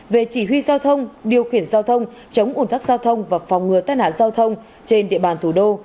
về chỉ huy giao thông điều khiển giao thông chống ủn thắc giao thông và phòng ngừa tên hạ giao thông trên địa bàn thủ đô